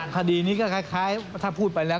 คดีนี้ถ้าพูดไปแล้ว